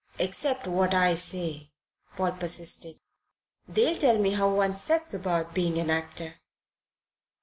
"Except what I say," Paul persisted. "They'll tell me how one sets about being an actor."